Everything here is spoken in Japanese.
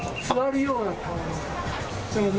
座るような感じ。